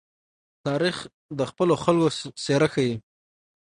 تاریخ د خپلو خلکو څېره ښيي.